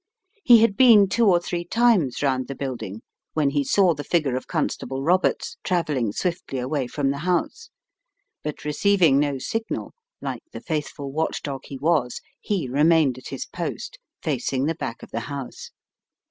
He had been two or three times round the building when he saw the figure of Constable Roberts travel ling swiftly away from the house, but receiving no signal, like the faithful watchdog he was, he re mained at his post, facing the back of the house.